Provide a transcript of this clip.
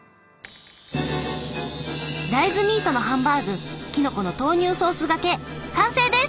大豆ミートのハンバーグきのこの豆乳ソースがけ完成です！